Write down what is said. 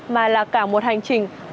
mà là cả một hành trình